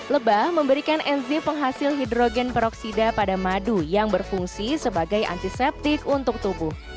lebah memberikan enzi penghasil hidrogen peroksida pada madu yang berfungsi sebagai antiseptik untuk tubuh